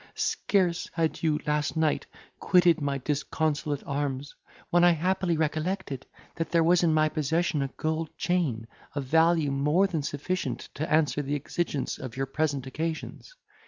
—Scarce had you, last night, quitted my disconsolate arms, when I happily recollected that there was in my possession a gold chain, of value more than sufficient to answer the exigence of your present occasions.